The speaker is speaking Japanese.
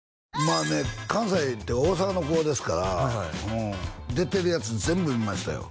まあね関西で大阪の子ですからはいはい出てるやつ全部見ましたよ